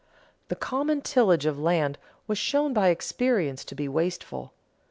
The common tillage of land was shown by experience to be wasteful.